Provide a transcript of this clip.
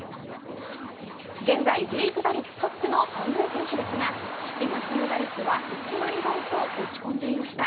現在、リーグ打率トップの頓宮選手ですが７月の打率は１割台と落ち込んでいました。